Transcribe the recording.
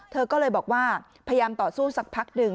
เธอก็เลยบอกว่าพยายามต่อสู้สักพักหนึ่ง